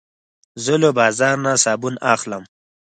زه له بازار نه صابون اخلم.